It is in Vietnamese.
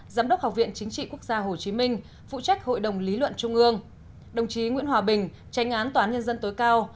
giám đốc học viện chính trị quốc gia hồ chí minh phụ trách hội đồng lý luận trung ương đồng chí nguyễn hòa bình tránh án toán nhân dân tối cao